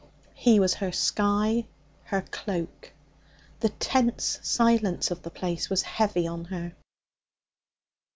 He was her sky, her cloak. The tense silence of the place was heavy on her.